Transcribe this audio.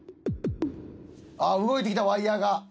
あっ動いてきたワイヤが。